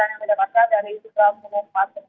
dan juga ke jalan jalan bukit lumpur